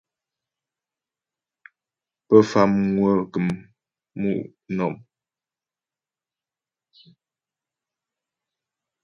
Pə Famŋwə gəm mu' nɔ̀m.